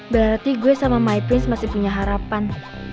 berarti gue sama my prince masih punya harapan